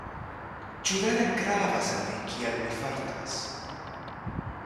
Ĉu vere gravas al vi kiel mi fartas?